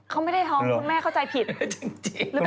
เค้าไม่ได้ท้องคุณแม่เข้าใจผิดจริง